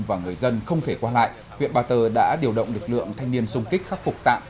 và người dân không thể qua lại huyện ba tơ đã điều động lực lượng thanh niên sung kích khắc phục tạm